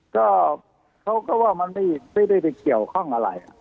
ก็เขาก็ว่ามันไม่ได้ไปเกี่ยวข้องอะไร